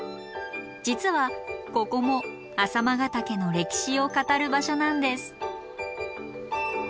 実はここも朝熊ヶ岳の歴史を語る場所なんです。